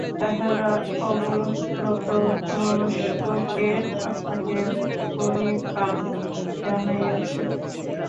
তাঁহারা অবনতমস্তকে আপনাকে প্রণিপাত জানাইয়াছেন।